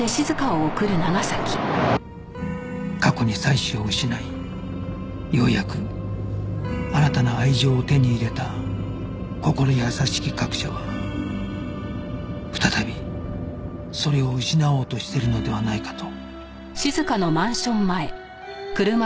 過去に妻子を失いようやく新たな愛情を手に入れた心優しき学者は再びそれを失おうとしてるのではないかと